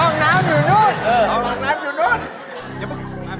ห้องน้ำอยู่นู้นเออ